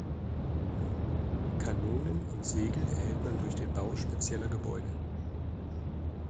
Kanonen und Segel erhält man durch den Bau spezieller Gebäude.